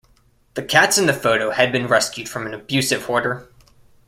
The cats in the photo had been rescued from an abusive hoarder.